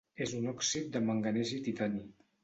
És un òxid de manganès i titani.